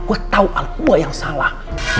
gue tau al gue yang salah